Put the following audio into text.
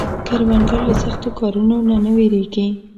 کروندګر له سختو کارونو نه نه ویریږي